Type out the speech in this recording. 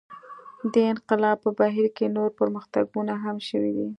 دې انقلاب په بهیر کې نور پرمختګونه هم شوي دي.